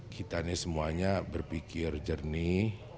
kita ini semuanya berpikir jernih